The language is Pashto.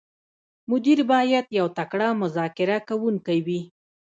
مدیر باید یو تکړه مذاکره کوونکی وي.